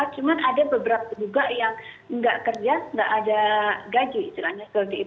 cuman ada beberapa juga yang nggak kerja nggak ada gaji